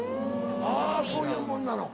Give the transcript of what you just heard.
あぁそういうもんなの。